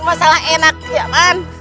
masalah enak ya mak